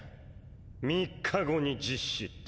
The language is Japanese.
３日後に実施って。